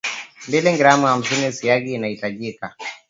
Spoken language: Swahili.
mbili gram hamsini siagi itahitajika